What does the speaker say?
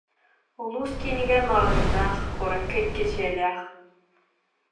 Улуус киинигэр маҕаһыыннаах, куоракка икки дьиэлээх